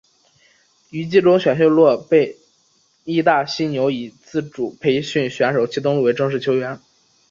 于季中选秀落选被被义大犀牛以自主培训选手其登录为正式球员。